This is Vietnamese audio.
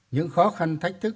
những khó khăn thách thức